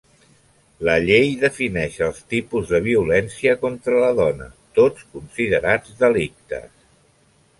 La llei defineix els tipus de violència contra la dona, tots considerats delictes.